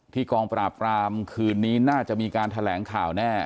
กองปราบรามคืนนี้น่าจะมีการแถลงข่าวแน่